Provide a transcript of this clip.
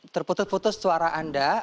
terputus putus suara anda